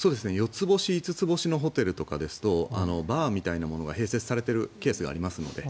４つ星、５つ星のホテルですとバーみたいなものが併設されているケースがありますので。